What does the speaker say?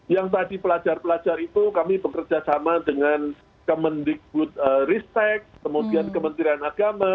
yang tadi pelajar pelajar itu kami bekerja sama dengan kemendikbud ristek kemudian kementerian agama